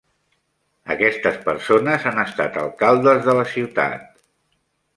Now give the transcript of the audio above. Aquestes persones han estat alcaldes de la ciutat.